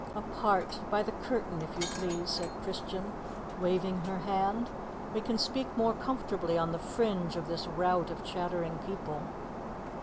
"Apart by the curtain, if you please," said Christian, waving her hand. "We can speak more comfortably on the fringe of this rout of chattering people."